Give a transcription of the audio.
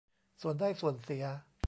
ส่วนได้ส่วนเสีย